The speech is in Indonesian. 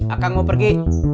akan mau pergi